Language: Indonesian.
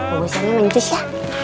bagusannya mantis ya